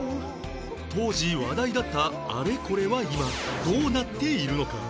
当時話題だったあれこれは今どうなっているのか？